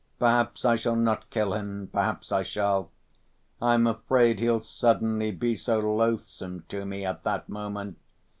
"Perhaps I shall not kill him, perhaps I shall. I'm afraid he'll suddenly be so loathsome to me at that moment.